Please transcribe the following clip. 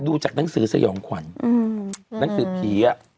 ดูจากหนังสือสยองขวัญหนังสือผี